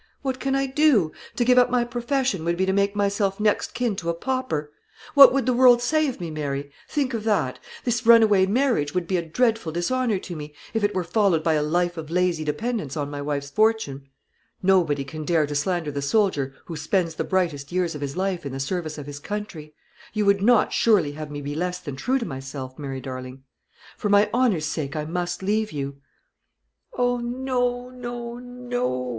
What can I do? To give up my profession would be to make myself next kin to a pauper. What would the world say of me, Mary? Think of that. This runaway marriage would be a dreadful dishonour to me, if it were followed by a life of lazy dependence on my wife's fortune. Nobody can dare to slander the soldier who spends the brightest years of his life in the service of his country. You would not surely have me be less than true to myself, Mary darling? For my honour's sake, I must leave you." "O no, no, no!"